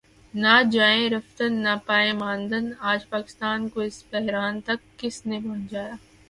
نہ جائے رفتن نہ پائے ماندن آج پاکستان کو اس بحران تک کس نے پہنچایا؟